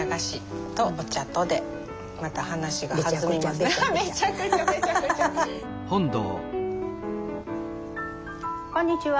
こんにちは。